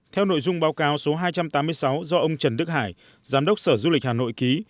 theo nội dung báo cáo số hai trăm tám mươi sáu do ông trần đức hải giám đốc sở du lịch hà nội ký